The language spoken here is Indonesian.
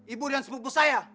ibu dan sepupu saya